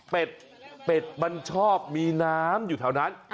เป็ดมันชอบมีน้ำอยู่แถวนั้น